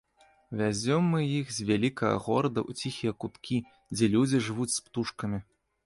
Вязём мы іх з вялікага горада ў ціхія куткі, дзе людзі жывуць з птушкамі.